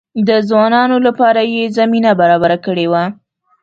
د ځوانانو لپاره یې زمینه برابره کړې وه.